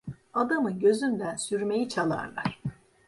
Adamın gözünden sürmeyi çalarlar.